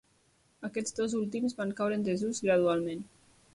Aquests dos últims van caure en desús gradualment.